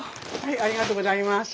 ありがとうございます。